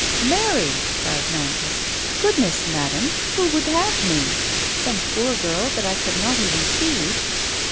"Marry!" cried Nantas. "Goodness, mad ame I who would have me ? Some poor girl that I could not even feed!"